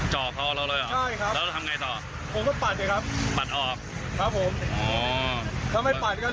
จอบพ่อเราเลยเหรอแล้วทำไงต่อผมก็ปัดเนี่ยครับ